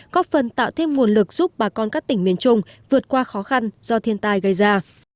có phần tạo thêm nguồn lực giúp bà con các tỉnh miền trung vượt qua khó khăn do thiên tai gây ra